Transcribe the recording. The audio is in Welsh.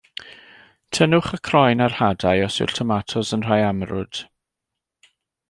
Tynnwch y croen a'r hadau os yw'r tomatos yn rhai amrwd.